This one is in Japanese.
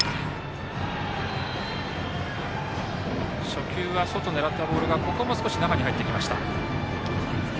初球は外狙ったボールがここも少し、中に入ってきました。